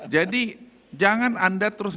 jadi jangan anda terus